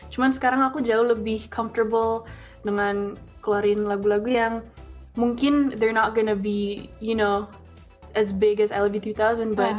cuma sekarang aku jauh lebih nyaman dengan keluarin lagu lagu yang mungkin mereka tidak akan menjadi seperti i love you tiga ribu